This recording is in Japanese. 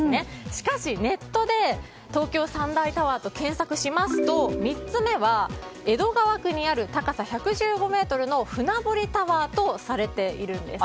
しかし、ネットで東京三大タワーと検索すると３つ目は江戸川区にある高さ１１５ｍの船堀タワーとされているんです。